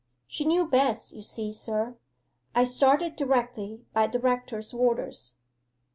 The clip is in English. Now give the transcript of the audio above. She knew best, you see, sir. I started directly, by the rector's orders.